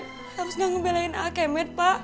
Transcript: harus gak ngebelain akemet pak